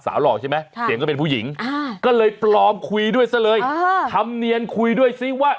หล่อใช่ไหมเสียงก็เป็นผู้หญิงก็เลยปลอมคุยด้วยซะเลยธรรมเนียนคุยด้วยซิว่า